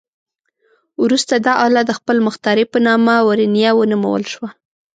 وروسته دا آله د خپل مخترع په نامه ورنیه ونومول شوه.